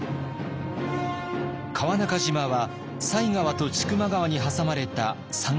川中島は犀川と千曲川に挟まれた三角地帯です。